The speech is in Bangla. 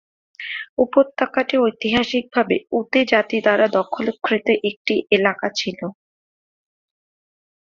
উপত্যকাটি ঐতিহাসিকভাবে উতে জাতি দ্বারা দখলকৃত একটি এলাকা ছিল।